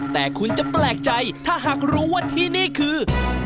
แต่คุณจะแปลกใจถ้าหากรู้ว่าที่นี่คือ